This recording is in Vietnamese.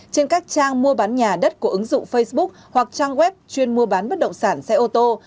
trên các trang mua bán nhà đất của ứng dụng facebook hoặc trang web chuyên mua bán bất động sản xe ô tô